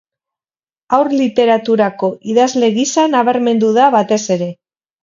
Haur-literaturako idazle gisa nabarmendu da batez ere.